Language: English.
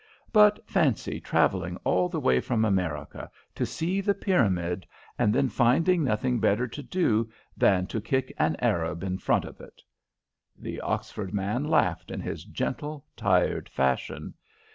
But fancy travelling all the way from America to see the pyramid, and then finding nothing better to do than to kick an Arab in front of it!" The Oxford man laughed in his gentle, tired fashion.